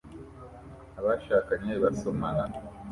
Abashakanye basomana